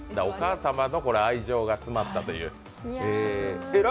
お母様の愛情が詰まったという。